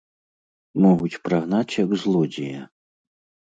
Могуць прагнаць як злодзея.